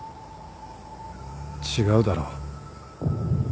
違うだろ。